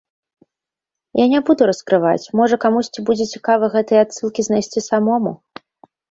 Я не буду раскрываць, можа, камусьці будзе цікава гэтыя адсылкі знайсці самому.